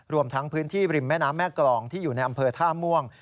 รวมทั้งพื้นที่ริมแม่น้ำแม่กรองที่อยู่ในอำเภอท่าม่วง